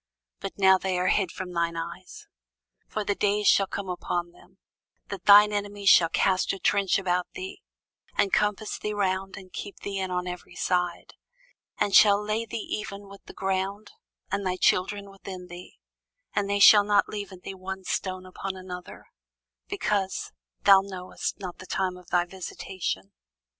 but now they are hid from thine eyes. For the days shall come upon thee, that thine enemies shall cast a trench about thee, and compass thee round, and keep thee in on every side, and shall lay thee even with the ground, and thy children within thee; and they shall not leave in thee one stone upon another; because thou knewest not the time of thy visitation.